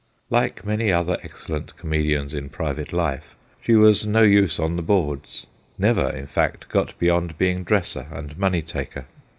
' Like many other excellent comedians in private life, she was no use on the boards, never in fact got beyond being dresser and money taker.